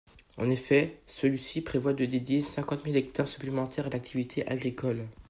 En effet, celui-ci prévoit de dédier cinquante mille hectares supplémentaires à l’activité agricole.